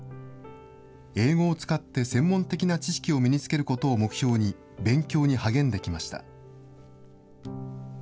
英語を使って専門的な知識を身につけることを目標に、勉強に励んできました。